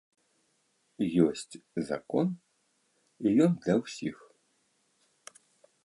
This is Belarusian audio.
Ёсць закон, і ён для ўсіх.